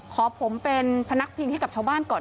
ขอผมเป็นพนักพิงให้กับชาวบ้านก่อน